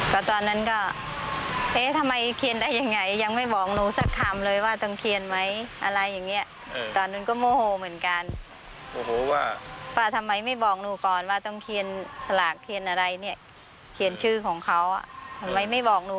ก่อนนั้นก็ไม่โกรธแล้วเขาบอกว่าเขาลืม